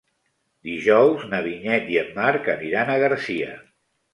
Dijous na Vinyet i en Marc aniran a Garcia.